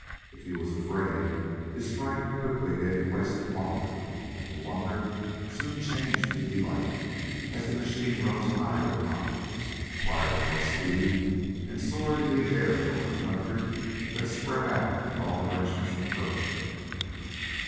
If he was afraid, his fright quickly gave place to wonder, and the wonder soon changed to delight as the machine rose higher and higher, acquired more speed, and soared in the air over the country that spread out in all directions from Kirkville.